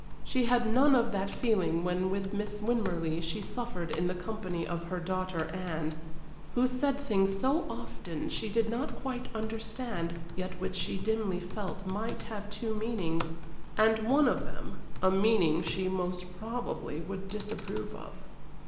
She had none of that feeling when with Miss Winmarleigh she suffered in the company of her daughter Anne, who said things so often she did not quite understand, yet which she dimly felt might have two meanings, and one of them a meaning she most probably would disapprove of.